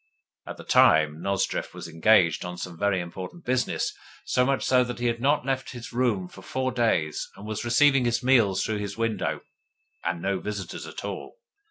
At the time Nozdrev was engaged on some very important business so much so that he had not left his room for four days, and was receiving his meals through the window, and no visitors at all.